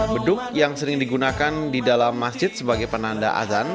beduk yang sering digunakan di dalam masjid sebagai penanda azan